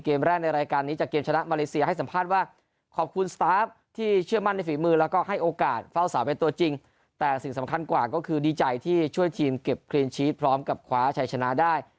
เกมแรกในรายการนี้จากเกมชนะมาเลเซียให้สัมภาษณ์ว่าขอบคุณสตาฟที่เชื่อมั่นในฝีมือแล้วก็ให้โอกาสเฝ้าสาวเป็นตัวจริงแต่สิ่งสำคัญกว่าก็คือดีใจที่ช่วยทีมเก็บครีนชีสพร้อมกับคว้าชัยชนะได้